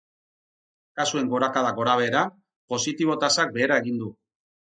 Kasuen gorakada gorabehera, positibo tasak behera egin du.